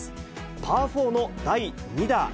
パー４の第２打。